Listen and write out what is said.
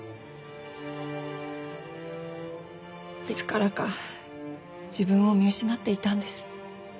いつからか自分を見失っていたんです。